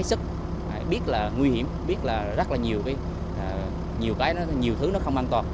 sức phải biết là nguy hiểm biết là rất là nhiều cái nhiều cái nhiều thứ nó không an toàn